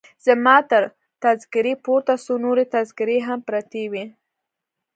زما تر تذکیرې پورته څو نورې تذکیرې هم پرتې وې.